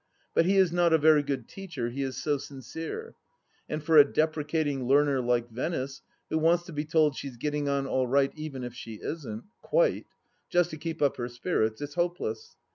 But he is not a very good teacher, he is so sincere. And for a deprecating learner like Venice, who wants to be told she is getting on all right even if she isn't, quite, just to keep up her spirits, it's hopeless.